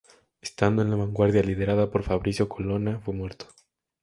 Estando en la vanguardia liderada por Fabricio Colonna, fue muerto.